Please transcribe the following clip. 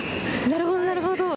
なるほど、なるほど。